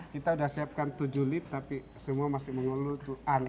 kita sudah siapkan tujuh lip tapi semua masih mengeluh